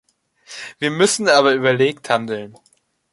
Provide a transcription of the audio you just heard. Wir müssen aber überlegt handeln.